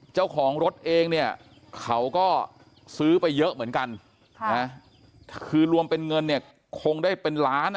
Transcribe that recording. เจ้าของรถเองเนี่ยเขาก็ซื้อไปเยอะเหมือนกันคือรวมเป็นเงินเนี่ยคงได้เป็นล้านอ่ะ